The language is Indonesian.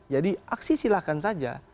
jadi aksi silahkan saja